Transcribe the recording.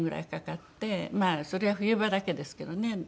まあそれは冬場だけですけどね。